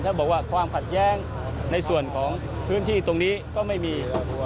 ถ้าบอกว่าความขัดแย้งในส่วนของพื้นที่ตรงนี้ก็ไม่มี